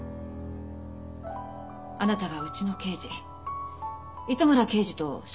あなたがうちの刑事糸村刑事と食事をした日。